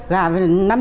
gạo vịt nó chết hết rồi